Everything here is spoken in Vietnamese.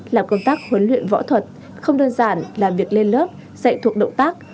làm công tác huấn luyện võ thuật không đơn giản là việc lên lớp dạy thuộc động tác